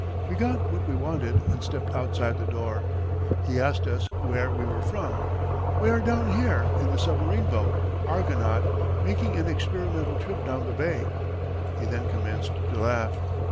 We got what we wanted, and stepped outside the door. He asked us where we were from. "We are down here in the submarine boat, Argonaut, making an experimental trip down the bay." He then commenced to laugh.